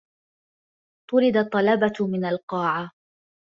طرد الطلبة من القاعة.